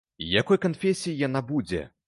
Якой канфесіі яна будзе?